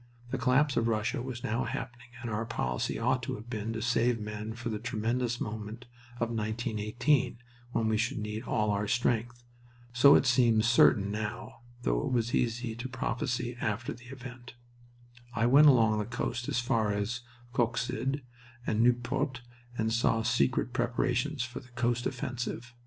The collapse of Russia was now happening and our policy ought to have been to save men for the tremendous moment of 1918, when we should need all our strength. So it seems certain now, though it is easy to prophesy after the event. I went along the coast as far as Coxyde and Nieuport and saw secret preparations for the coast offensive.